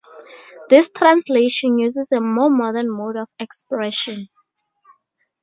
This translation uses a more modern mode of expression.